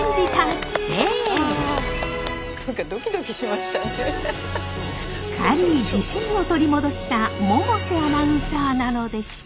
すっかり自信を取り戻した百瀬アナウンサーなのでした。